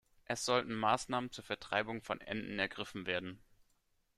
Es sollten Maßnahmen zur Vertreibung von Enten ergriffen werden.